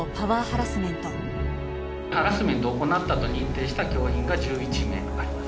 ハラスメントを行ったと認定した教員が１１名となります。